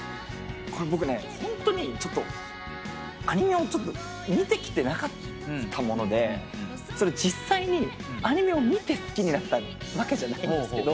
僕ホントにアニメを見てきてなかったもので実際にアニメを見て好きになったわけじゃないんですけど。